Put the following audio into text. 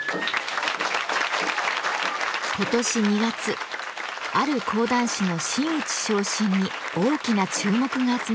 今年２月ある講談師の真打ち昇進に大きな注目が集まりました。